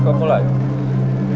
kau pulang ya